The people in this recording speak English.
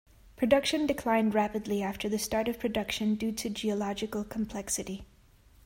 Production declined rapidly after the start of production due to geological complexity.